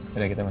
selamat ya bos